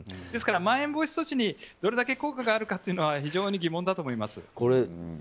ですから、まん延防止措置にどれだけ効果があるかというのは非常に疑問だと思います。